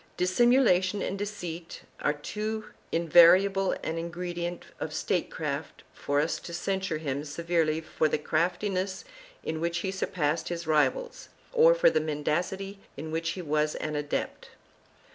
Dissimulation and deceit are too invariable an ingredient of statecraft for us to censure him severely for the craftiness in which he surpassed his rivals or for the mendacity in which he was an adept.